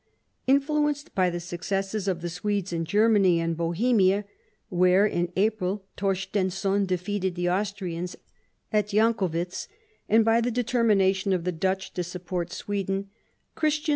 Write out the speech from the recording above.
Influenced by the successes of the Swedes in Germany and Bohemia, where, in April; Torstenson defeated the Austrians at Jankowitz, and by the determination of the Dutch to support Sweden, Christian IV.